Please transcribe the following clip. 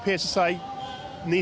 harus diberikan kesempatan